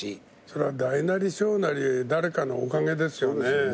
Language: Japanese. それは大なり小なり誰かのおかげですよね。